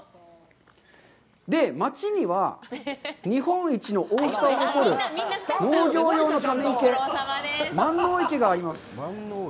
町には、日本一の大きさを誇る農業用のため池、満濃池があります。